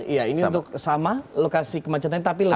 iya ini untuk sama lokasi kemacetan tapi lebih